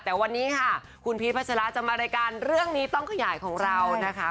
แต่วันนี้ค่ะคุณพีชพัชราจะมารายการเรื่องนี้ต้องขยายของเรานะคะ